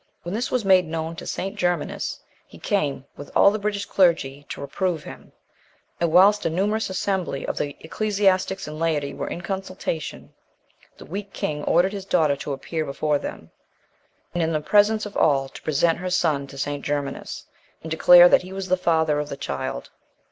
When this was made known to St. Germanus, he came, with all the British clergy, to reprove him: and whilst a numerous assembly of the ecclesiastics and laity were in consultation, the weak king ordered his daughter to appear before them, and in the presence of all to present her son to St. Germanus, and declare that he was the father of the child.